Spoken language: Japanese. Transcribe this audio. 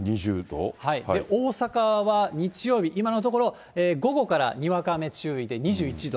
大阪は日曜日、今のところ午後からにわか雨注意で、２１度。